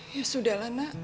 ya sudah lah nak